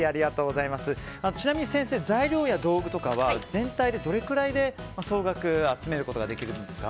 ちなみに先生材料や道具とかは全体でどれくらいで総額集めることができるんですか？